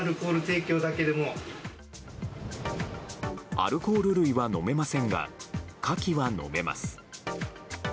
アルコール類は飲めませんが牡蠣は飲めます。